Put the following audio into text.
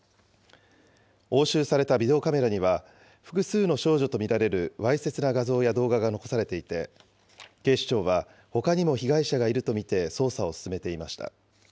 押収されたビデオカメラには、複数の少女と見られるわいせつな画像や動画が残されていて、警視庁は、ほかにも被害者がいると見て捜査を進めていました。